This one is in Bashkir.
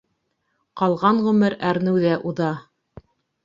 Ҡалған ғүмер әрнеүҙә уҙа.